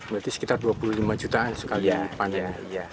berarti sekitar dua puluh lima jutaan sekali panen